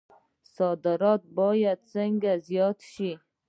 صادرات باید څنګه زیات شي؟